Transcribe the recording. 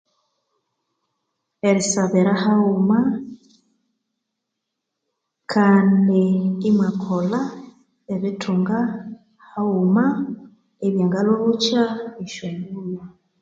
Erisabira haghuma kandi imwakolha ebithunga haghuma ebyangalhobokya esyonyuu